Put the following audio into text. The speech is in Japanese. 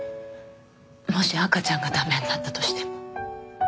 もし赤ちゃんが駄目になったとしても。